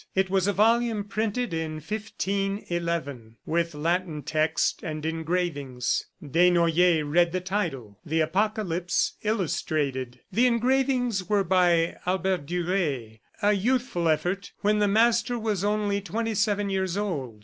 It was a volume printed in 1511, with Latin text and engravings. Desnoyers read the title, "The Apocalypse Illustrated." The engravings were by Albert Durer, a youthful effort, when the master was only twenty seven years old.